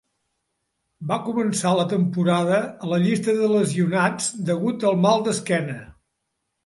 Va començar la temporada a la llista de lesionats degut al mal d'esquena.